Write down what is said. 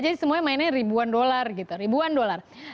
jadi semuanya mainnya ribuan dolar gitu ribuan dolar